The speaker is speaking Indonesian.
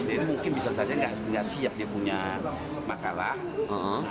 ini mungkin bisa saja gak siapnya punya makalah